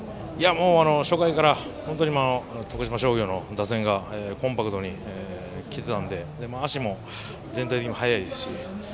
初回から徳島商業の打線がコンパクトにきてたので足も全体的に速いですし。